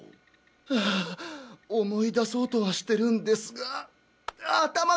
ハァ思い出そうとはしてるんですが頭が。